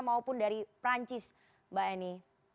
maupun dari perancis mbak eni